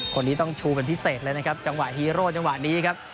คนนี้ต้องชูเป็นพิเศษเลยนะครับจังหวะฮีโร่จังหวะนี้ครับ